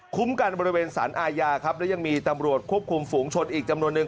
กันบริเวณสารอาญาครับและยังมีตำรวจควบคุมฝูงชนอีกจำนวนนึ